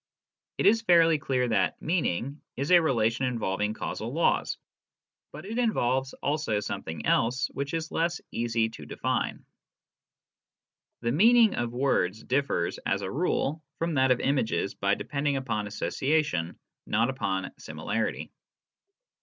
It is fairly clear that " meaning " is a relation involving causal laws, but it involves also something else which is less easy to define. The meaning of words differs, as a rule, from that of images by depending upon association, not upon similarity.